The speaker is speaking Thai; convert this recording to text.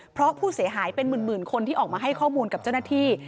เพราะผู้เสียหายเป็นหมื่นคนที่ออกมาให้ข้อมูลกับเจ้าหน้าที่